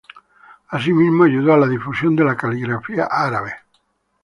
Asimismo, ayudó a la difusión de la caligrafía árabe.